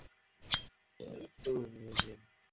আমরা আক্রমণের শিকার হয়েছি, ম্যাম।